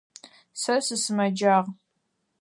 Сэ сысымэджагъ.